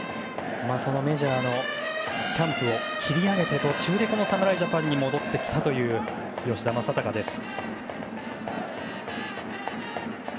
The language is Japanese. メジャーのキャンプを切り上げて途中で侍ジャパンに戻ってきた吉田正尚です。